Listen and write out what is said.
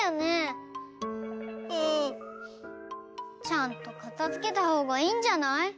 ちゃんとかたづけたほうがいいんじゃない？